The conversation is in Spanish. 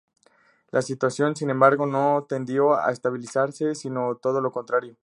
La situación, sin embargo, no tendió a estabilizarse, sino todo lo contrario.